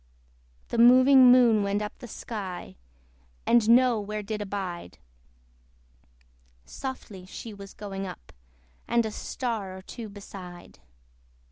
The moving Moon went up the sky, And no where did abide: Softly she was going up, And a star or two beside.